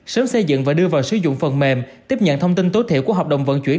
sớm xây dựng và đưa vào sử dụng phần mềm tiếp nhận thông tin tối thiểu của hợp đồng vận chuyển